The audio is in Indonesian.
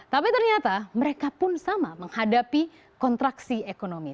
tapi ternyata mereka pun sama menghadapi kontraksi ekonomi